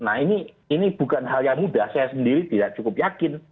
nah ini bukan hal yang mudah saya sendiri tidak cukup yakin